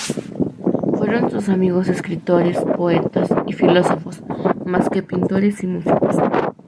Fueron sus amigos escritores, poetas y filósofos, más que pintores y músicos.